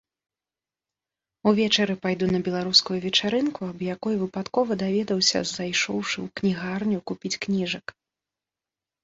Увечары пайду на беларускую вечарынку, аб якой выпадкова даведаўся, зайшоўшы ў кнігарню купіць кніжак.